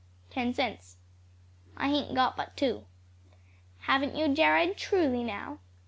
"Ten cents." "I hain't got but two." "Haven't you, Jared? truly, now?"